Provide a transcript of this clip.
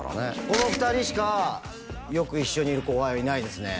この２人しかよく一緒にいる後輩はいないですね